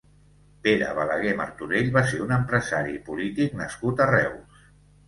Pere Balagué Martorell va ser un empresari i polític nascut a Reus.